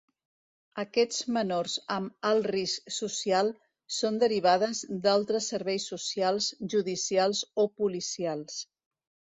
Aquests menors amb alt risc social, són derivades d'altres serveis socials, judicials o policials.